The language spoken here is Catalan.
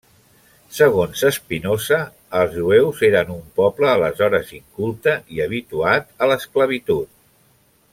Segons Spinoza, els jueus eren un poble aleshores inculte i habituat a l'esclavitud.